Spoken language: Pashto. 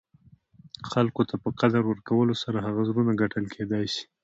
خلګو ته په قدر ورکولو سره، د هغه زړونه ګټل کېداى سي.